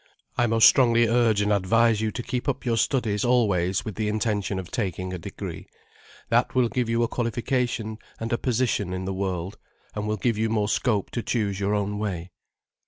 I most strongly urge and advise you to keep up your studies always with the intention of taking a degree. That will give you a qualification and a position in the world, and will give you more scope to choose your own way.